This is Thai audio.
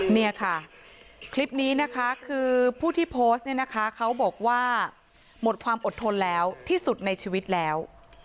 เนี่ยค่ะคลิปนี้นะคะคือผู้ที่โพสต์เนี่ยนะคะเขาบอกว่าหมดความอดทนแล้วที่สุดในชีวิตแล้ว